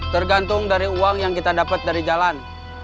tergantung dari uang yang kita dapat dari jalan